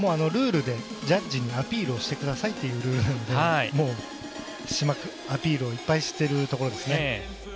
ルールでジャッジにアピールをしてくださいというルールなのでもうアピールをいっぱいしているところですね。